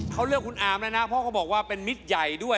เขาเลือกคุณอามแล้วนะเพราะเขาบอกว่าเป็นมิตรใหญ่ด้วย